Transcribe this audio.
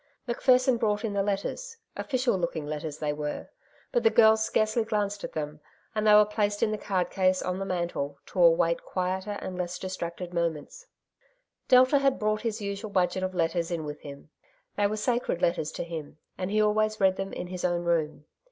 Macpherson brought in the letters — oflScial lookin g letters they were — ^but the girls scarcely glanced at them, and they were placed in the card case on the mantel, to await quieter and less distracted moments. Delta had brought his usual budget of letters in with him. They were sacred letters to him, and he always read them in his own room.